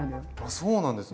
そうなんですね。